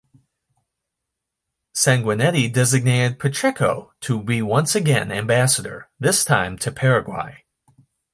Sanguinetti designated Pacheco to be once again ambassador, this time to Paraguay.